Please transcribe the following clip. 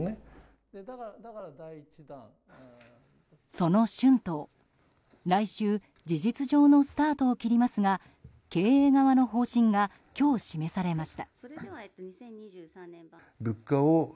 その春闘、来週事実上のスタートを切りますが経営側の方針が今日示されました。